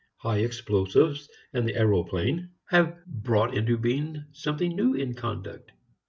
High explosives and the aeroplane have brought into being something new in conduct.